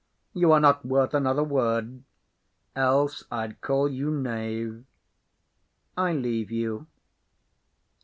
You are not worth another word, else I'd call you knave. I leave you.